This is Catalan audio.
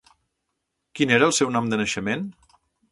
Quin era el seu nom de naixement?